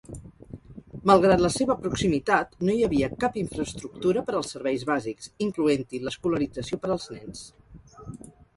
Malgrat la seva proximitat, no hi havia cap infraestructura per als serveis bàsics, incloent-hi l'escolarització per als nens.